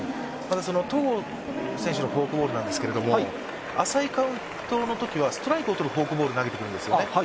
戸郷選手のフォークボールなんですけど浅いカウントのときはストライクを取るフォークボールを投げてくるんです。